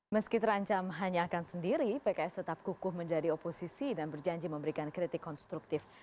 meski terancam hanya akan sendiri pks tetap kukuh menjadi oposisi dan berjanji memberikan kritik konstruktif